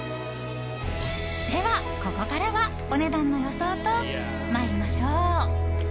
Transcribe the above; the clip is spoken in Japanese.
では、ここからはお値段の予想と参りましょう。